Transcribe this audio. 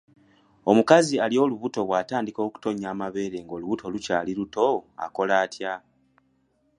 Omukazi ali olubuto bw'atandika okutonnya amabeere nga olubuto lukyali luto akola atya?